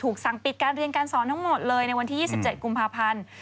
สั่งปิดการเรียนการสอนทั้งหมดเลยในวันที่๒๗กุมภาพันธ์